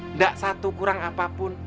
enggak satu kurang apapun